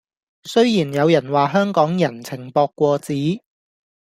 雖然有人話香港人情薄過紙